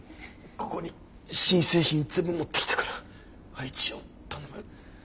ここに新製品全部持ってきたから配置を頼む。